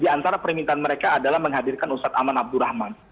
di antara permintaan mereka adalah menghadirkan ustadz aman abdurrahman